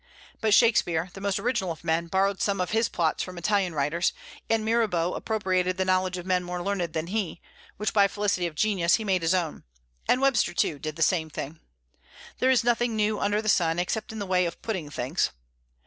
But Shakspeare, the most original of men, borrowed some of his plots from Italian writers; and Mirabeau appropriated the knowledge of men more learned than he, which by felicity of genius he made his own; and Webster, too, did the same thing. There is nothing new under the sun, except in the way of "putting things."